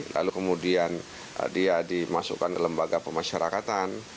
lalu kemudian dia dimasukkan ke lembaga pemasyarakatan